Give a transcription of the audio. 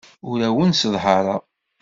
Ur awen-sseḍhareɣ.